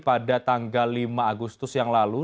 pada tanggal lima agustus yang lalu